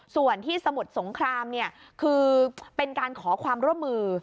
ส่วนที่สมุทรสงครามเนี่ยคือเป็นการขอความร่วมมือ